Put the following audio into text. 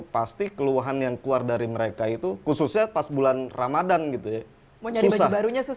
pasti keluhan yang keluar dari mereka itu khususnya pas bulan ramadhan gitu ya